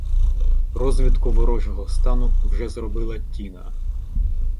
Розвідку ворожого стану вже зробила Тіна.